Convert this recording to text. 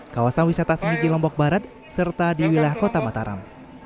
kawasan wisata sendiki lombok barat serta di wilayah kota mataram